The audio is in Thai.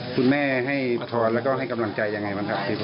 คุณแม่ให้พรแล้วก็ให้กำลังใจยังไงบ้างครับ